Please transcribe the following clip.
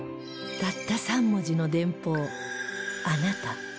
たった３文字の電報「アナタ」